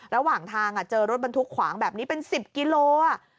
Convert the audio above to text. ระหว่างทางเจอรถบรรทุกขวางแบบนี้เป็น๑๐กิโล